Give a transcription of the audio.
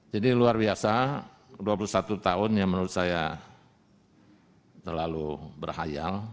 jadi luar biasa dua puluh satu tahun yang menurut saya terlalu berhayal